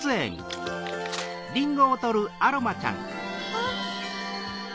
あっ！